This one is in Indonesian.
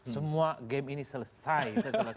semua game ini selesai